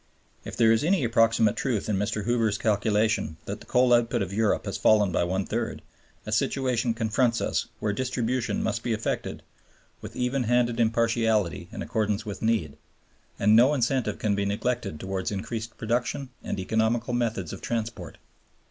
If there is any approximate truth in Mr. Hoover's calculation that the coal output of Europe has fallen by one third, a situation confronts us where distribution must be effected with even handed impartiality in accordance with need, and no incentive can be neglected towards increased production and economical methods of transport.